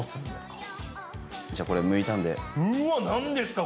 うわ何ですか？